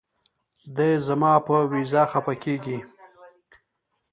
دے زما پۀ وېزه خفه کيږي